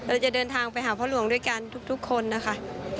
เราจะเดินทางไปหาพ่อหลวงด้วยกันทุกคนนะคะ